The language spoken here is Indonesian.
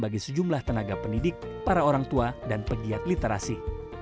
bagi sejumlah tenaga pendidik para orang tua dan pegiat literasi